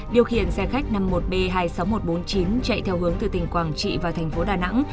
điều khiển xe khách năm mươi một b hai mươi sáu nghìn một trăm bốn mươi chín chạy theo hướng từ tỉnh quảng trị vào thành phố đà nẵng